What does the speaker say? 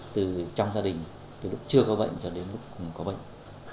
từ trong gia đình từ lúc chưa có bệnh cho đến lúc có bệnh